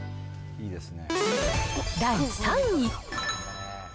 第３位。